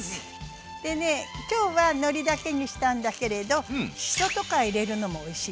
でね今日はのりだけにしたんだけれどしそとか入れるのもおいしいわね。